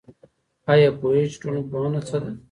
آيا پوهېږئ چي ټولنپوهنه څه ده؟